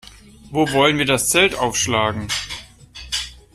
Wo wollen wir das Zelt aufschlagen?